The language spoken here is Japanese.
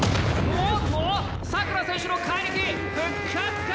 おっとサクラ選手の怪力復活か！？